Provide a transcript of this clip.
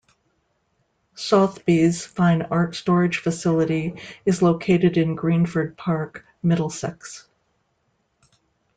Sotheby's Fine Art Storage facility is located in Greenford Park, Middlesex.